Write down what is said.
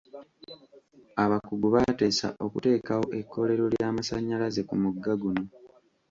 Abakugu baateesa okuteekawo ekkolero ly'amasanyalaze ku mugga guno.